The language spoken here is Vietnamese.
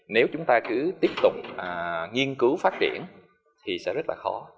nếu chúng ta cứ tiếp tục nghiên cứu phát triển thì sẽ rất là khó